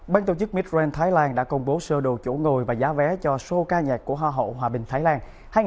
ban tổ chức midrail thái lan đã công bố sơ đồ chủ ngồi và giá vé cho show ca nhạc của hoa hậu hòa bình thái lan